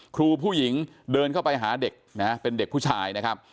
ครูผู้หญิงเดินเข้าไปหาเด็กนะฮะเป็นเด็กผู้ชายนะครับ